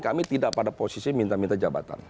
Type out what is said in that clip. kami tidak pada posisi minta minta jabatan